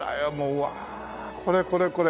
うわこれこれこれ。